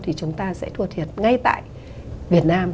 thì chúng ta sẽ thua thiệt ngay tại việt nam